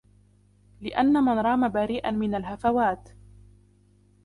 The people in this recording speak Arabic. لِأَنَّ مَنْ رَامَ بَرِيئًا مِنْ الْهَفَوَاتِ